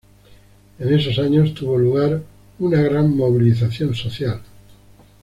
En esos años tuvo lugar una gran movilización social.